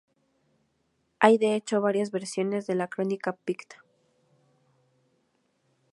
Hay de hecho varias versiones de la crónica picta.